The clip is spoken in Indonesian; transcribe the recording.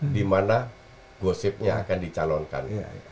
di mana gosipnya akan dicalonkan